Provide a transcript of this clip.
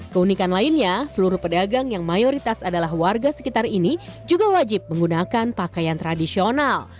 keunikan lainnya seluruh pedagang yang mayoritas adalah warga sekitar ini juga wajib menggunakan pakaian tradisional